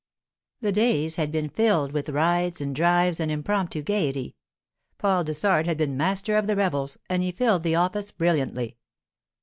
The days had been filled with rides and drives and impromptu gaiety. Paul Dessart had been master of the revels, and he filled the office brilliantly.